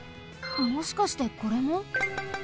もしかしてこれも？